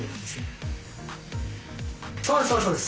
そうですそうです。